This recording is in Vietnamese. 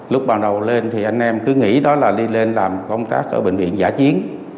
lúc ban đầu lên thì anh em cứ nghĩ đó là đi lên làm công tác ở bệnh viện giả chiến